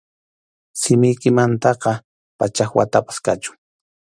Simiykimantaqa pachak watapas kachun.